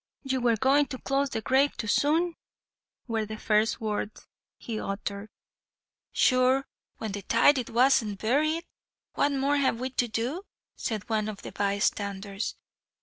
"You were going to close the grave too soon," were the first words he uttered. "Sure when the tithe is wanst buried, what more have we to do?" said one of the by standers.